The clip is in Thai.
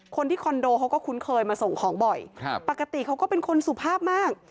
คอนโดเขาก็คุ้นเคยมาส่งของบ่อยครับปกติเขาก็เป็นคนสุภาพมาก